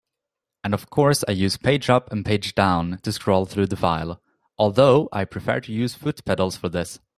And of course I use page up and down to scroll through the file, although I prefer to use foot pedals for this.